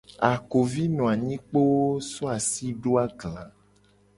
Akovi no anyi kpoo so asi do agla.